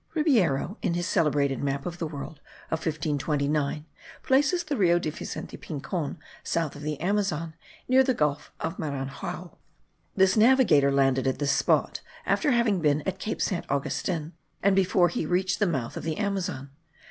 Ribeyro, in his celebrated map of the world of 1529, places the Rio de Vicente Pincon south of the Amazon, near the Gulf of Maranhao. This navigator landed at this spot, after having been at Cape Saint Augustin, and before he reached the mouth of the Amazon.